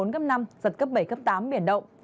giật cấp bảy tám biển động